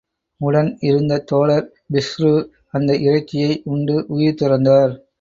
உடன் இருந்த தோழர் பிஷ்ரு அந்த இறைச்சியை உண்டு உயிர் துறந்தார்.